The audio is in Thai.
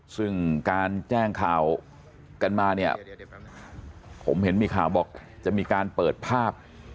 ซึ่งการแจ้งข่าวกันมาเนี่ยผมเห็นมีข่าวบอกจะมีการเปิดภาพ